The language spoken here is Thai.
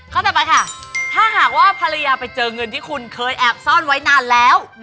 ต่อไปค่ะถ้าหากว่าภรรยาไปเจอเงินที่คุณเคยแอบซ่อนไว้นานแล้ว